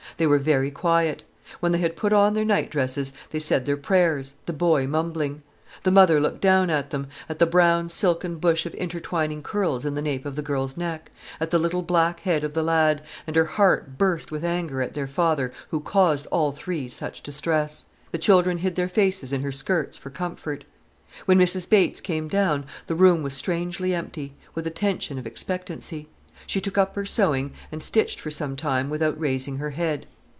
They were very quiet. When they had put on their nightdresses, they said their prayers, the boy mumbling. The mother looked down at them, at the brown silken bush of intertwining curls in the nape of the girl's neck, at the little black head of the lad, and her heart burst with anger at their father who caused all three such distress. The children hid their faces in her skirts for comfort. When Mrs Bates came down, the room was strangely empty, with a tension of expectancy. She took up her sewing and stitched for some time without raising her head.